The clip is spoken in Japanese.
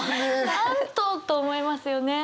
何とと思いますよね。